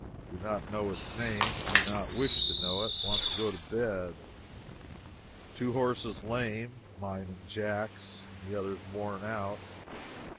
Do not know its name do not wish to know it want to go to bed. Two horses lame (mine and Jack's) and the others worn out.